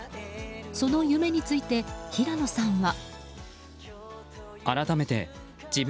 その夢について、平野さんは。